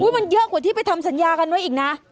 มันเยอะกว่าที่ไปทำสัญญากันไว้อีกนะ